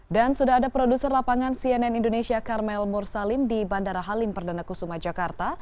sudah ada produser lapangan cnn indonesia karmel mursalim di bandara halim perdana kusuma jakarta